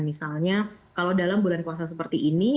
misalnya kalau dalam bulan puasa seperti ini